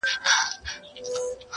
ستا دي په یاد وي چي دا ښکلی وطن-